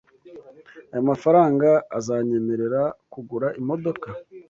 Aya mafranga azanyemerera kugura imodoka.